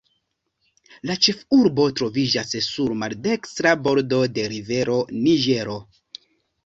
La ĉefurbo troviĝas sur maldekstra bordo de rivero Niĝero.